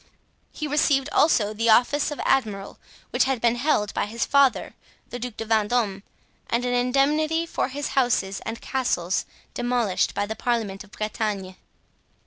He received also the office of admiral, which had been held by his father, the Duc de Vendome and an indemnity for his houses and castles, demolished by the Parliament of Bretagne.